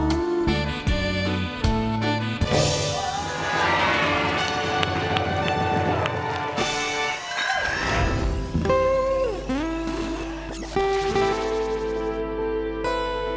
โปรดติดตามตอนต่อไป